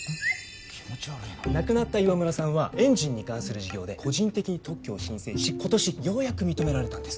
気持ち悪いな亡くなった岩村さんはエンジンに関する事業で個人的に特許を申請今年ようやく認められたんです